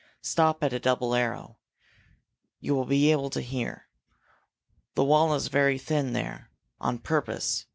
Stop at a double arrow. You will be able to hear. The wall is very thin there, on purpose.